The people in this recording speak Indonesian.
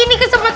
ini kita lihat